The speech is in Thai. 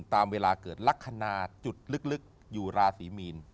ตามเวลาเกิดลักษณะจุดลึกอยู่ราศีมีน